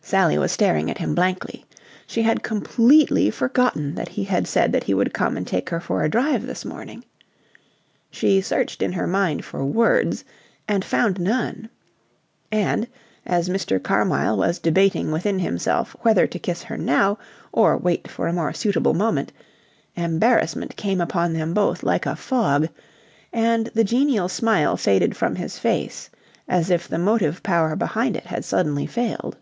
Sally was staring at him blankly. She had completely forgotten that he had said that he would come and take her for a drive this morning. She searched in her mind for words, and found none. And, as Mr. Carmyle was debating within himself whether to kiss her now or wait for a more suitable moment, embarrassment came upon them both like a fog, and the genial smile faded from his face as if the motive power behind it had suddenly failed.